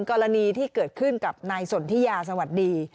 กรณีที่เกิดขึ้นกับนายสนทิยาสวัสดี